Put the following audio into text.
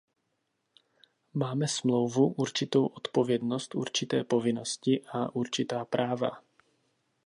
Máme Smlouvu, určitou odpovědnost, určité povinnosti a určitá práva.